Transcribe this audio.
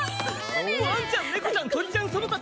ワンちゃん猫ちゃん鳥ちゃんその他